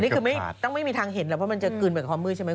อันนี้ต้องไม่มีทางเห็นเหรอเพราะจะเบื่อมืดไปต่อจากความมืดใช่ไหม